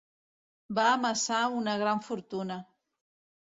Va amassar una gran fortuna.